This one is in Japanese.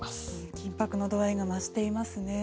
緊迫の度合いが増してますね。